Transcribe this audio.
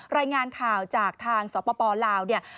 รายงานข่าวจากทางสปลาวเนี่ย